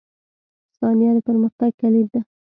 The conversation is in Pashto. • ثانیه د پرمختګ کلید ده.